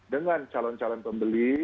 dengan calon calon pembeli